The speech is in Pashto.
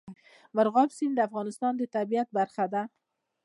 مورغاب سیند د افغانستان د طبیعت برخه ده.